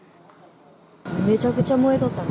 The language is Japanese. めちゃくちゃ燃えとった。